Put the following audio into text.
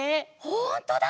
ほんとだ！